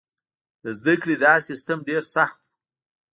د زده کړې دا سیستم ډېر سخت و.